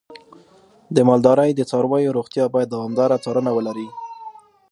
د مالدارۍ د څارویو روغتیا باید دوامداره څارنه ولري.